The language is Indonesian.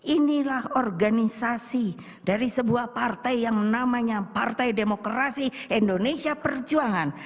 inilah organisasi dari sebuah partai yang namanya partai demokrasi indonesia perjuangan